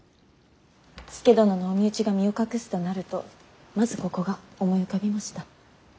佐殿のお身内が身を隠すとなるとまずここが思い浮かびました。